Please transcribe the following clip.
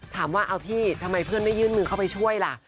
ถามว่าเอาพี่ทำไมเพื่อนไม่ยื่นมือเข้าไปช่วยล่ะ